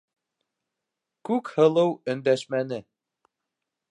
Күкһылыу өндәшмәне.